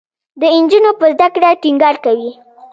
د نجونو په زده کړه ټینګار کوي.